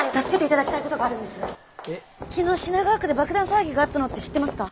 昨日品川区で爆弾騒ぎがあったのって知ってますか？